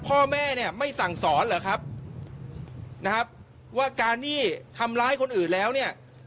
พ่อแม่เนี่ยไม่สั่งสอนเหรอครับนะครับว่าการที่ทำร้ายคนอื่นแล้วเนี่ย